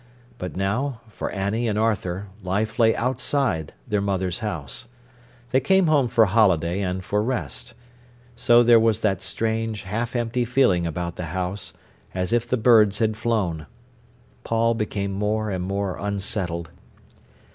But now, for Annie and Arthur, life lay outside their mother's house. They came home for holiday and for rest. So there was that strange, half empty feeling about the house, as if the birds had flown. Paul became more and more unsettled.